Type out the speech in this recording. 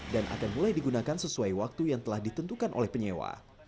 dan akan mulai digunakan sesuai waktu yang telah ditentukan oleh penyewa